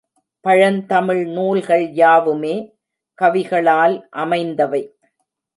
பழந்தமிழ் நூல்கள் யாவுமே கவிகளால் அமைந்தவை.